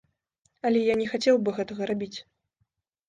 Але я не хацеў бы гэтага рабіць.